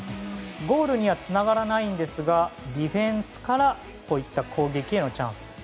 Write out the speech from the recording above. ゴールにはつながらないんですがディフェンスからこういった攻撃へのチャンス。